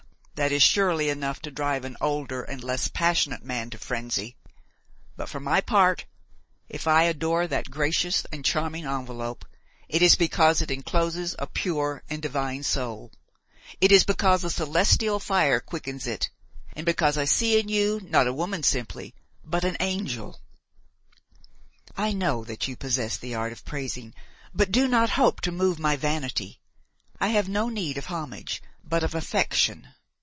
that is surely enough to drive an older and less passionate man to frenzy; but for my part, if I adore that gracious and charming envelope, it is because it encloses a pure and divine soul, it is because a celestial fire quickens it, and because I see in you not a woman simply, but an angel." "I know that you possess the art of praising; but do not hope to move my vanity. I have no need of homage, but of affection.